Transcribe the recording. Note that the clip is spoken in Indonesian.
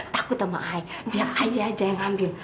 takut sama ay biar ay aja yang ambil